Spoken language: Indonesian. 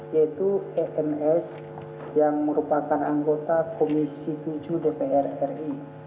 yaitu ems yang merupakan anggota komisi tujuh dpr ri